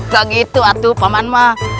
gak gitu atu paman mah